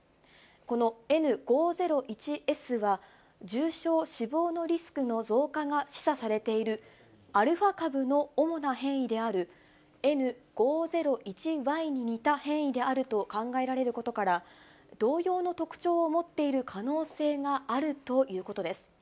このＮ５０１Ｓは、重症、死亡のリスクの増加が示唆されているアルファ株の主な変異である、Ｎ５０１Ｙに似た変異であると考えられることから、同様の特徴を持っている可能性があるということです。